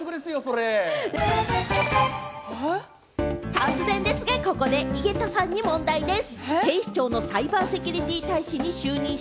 突然ですが、ここで井桁さんに問題です。